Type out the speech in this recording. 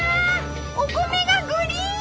お米がグリーン！